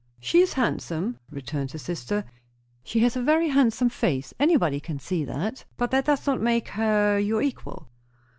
"She is handsome," returned his sister; "she has a very handsome face; anybody can see that; but that does not make her your equal."